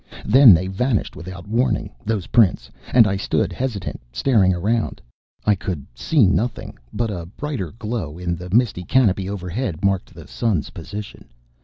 Then they vanished without warning, those prints, and I stood hesitant, staring around. I could see nothing, but a brighter glow in the misty canopy overhead marked the sun's position.